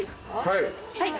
はい。